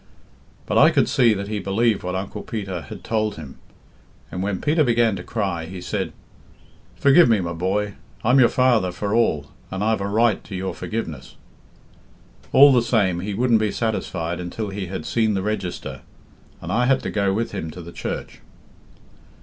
But I could see that he believed what Uncle Peter had told him, and, when Peter began to cry, he said, 'Forgive me, my boy; I'm your father for all, and I've a right to your forgiveness.' All the same, he wouldn't be satisfied until he had seen the register, and I had to go with him to the church."